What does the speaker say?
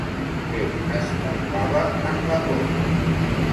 Què es palpava en la cort?